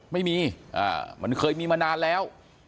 ไม่มีมันเคยมีมานานแล้ว